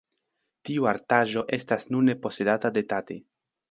Tiu artaĵo estas nune posedata de Tate.